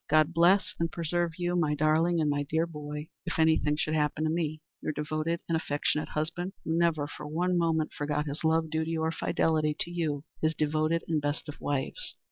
God bless and preserve you, my darling, and my dear boy, if anything should happen to me. "Your devoted and affectionate husband, who never for one moment forgot his love, duty, or fidelity to you, his devoted and best of wives."